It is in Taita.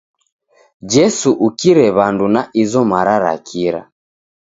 Jesu ukire w'andu na iro maza ra kira!